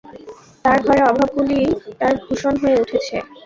তার ঘরে অভাবগুলিই তার ভূষণ হয়ে উঠেছে।